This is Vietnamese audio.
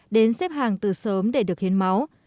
đến xếp hàng từ sớm để được hiến máu